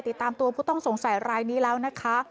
ติดตามตัวผู้ต้องสงสัยรายนี้แล้วนะคะ